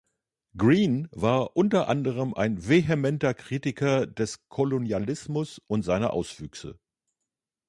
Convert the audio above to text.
Greene war unter anderem ein vehementer Kritiker des Kolonialismus und seiner Auswüchse.